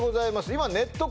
今ネット